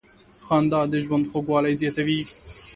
• خندا د ژوند خوږوالی زیاتوي.